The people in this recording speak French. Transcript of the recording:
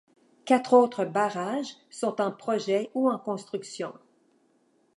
Quatre autres barrages sont en projet ou en construction.